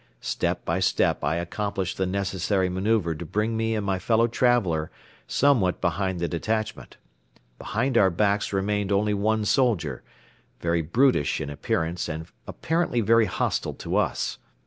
Step by step I accomplished the necessary manoeuvre to bring me and my fellow traveler somewhat behind the detachment. Behind our backs remained only one soldier, very brutish in appearance and apparently very hostile to us.